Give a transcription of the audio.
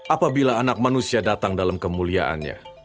apabila anak manusia datang dalam kemuliaannya